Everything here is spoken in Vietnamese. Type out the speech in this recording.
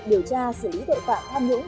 điều tra xử lý tội phạm tham nhũng